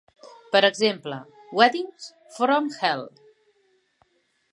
Per exemple, "Weddings from Hell".